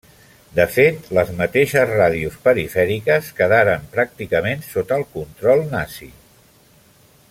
De fet, les mateixes ràdios perifèriques quedaren pràcticament sota el control nazi.